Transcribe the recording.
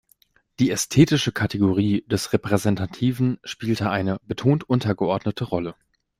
Die ästhetische Kategorie des Repräsentativen spielte eine betont untergeordnete Rolle.